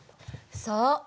そう。